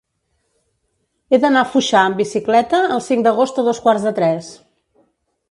He d'anar a Foixà amb bicicleta el cinc d'agost a dos quarts de tres.